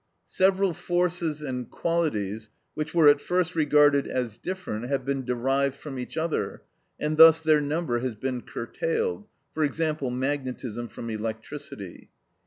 Several forces and qualities, which were at first regarded as different, have been derived from each other, and thus their number has been curtailed. (For example, magnetism from electricity.)